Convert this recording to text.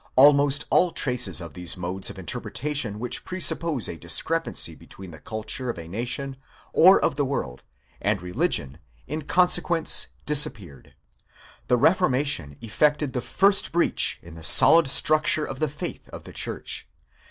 Almost all traces of these modes of interpretation which presuppose a discrepancy between the culture of a nation, or of the world, and religion, in consequence disappeared. The re formation effected the first breach in the solid structure of the faith of the church.